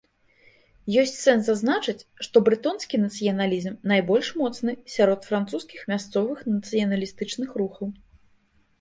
Ёсць сэнс зазначыць, што брэтонскі нацыяналізм найбольш моцны сярод французскіх мясцовых нацыяналістычных рухаў.